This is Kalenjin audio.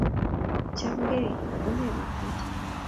Chamngei? Une petut?